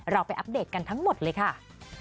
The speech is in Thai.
เราไปอัปเดตกันทั้งหมดเลยค่ะ